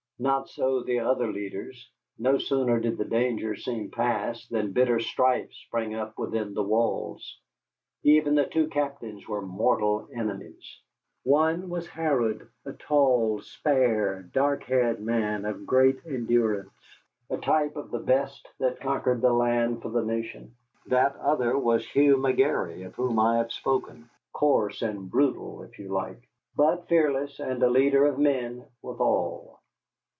Not so the other leaders. No sooner did the danger seem past than bitter strife sprang up within the walls. Even the two captains were mortal enemies. One was Harrod, a tall, spare, dark haired man of great endurance, a type of the best that conquered the land for the nation; the other, that Hugh McGary of whom I have spoken, coarse and brutal, if you like, but fearless and a leader of men withal.